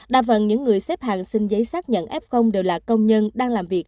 đa phần những người xếp hàng xin giấy xác nhận f đều là công nhân đang làm việc